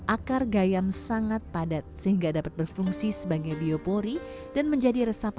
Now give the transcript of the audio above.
akar gayam sangat padat sehingga dapat berfungsi sebagai biopori dan menjadi resapan